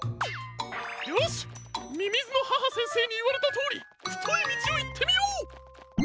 よしみみずの母先生にいわれたとおりふといみちをいってみよう！